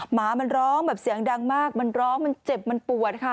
หมามันร้องแบบเสียงดังมากมันร้องมันเจ็บมันปวดค่ะ